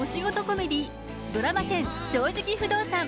コメディードラマ１０「正直不動産」。